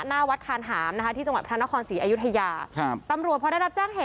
หน้าวัดคานหามนะคะที่จังหวัดพระนครศรีอยุธยาครับตำรวจพอได้รับแจ้งเหตุ